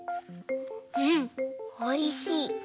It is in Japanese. うんおいしい。